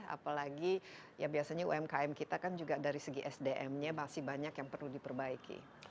apalagi ya biasanya umkm kita kan juga dari segi sdm nya masih banyak yang perlu diperbaiki